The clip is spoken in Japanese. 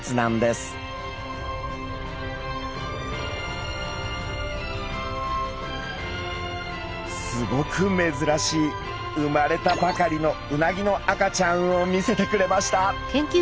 すごくめずらしい生まれたばかりのうなぎの赤ちゃんを見せてくれました。